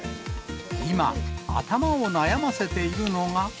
今、頭を悩ませているのが。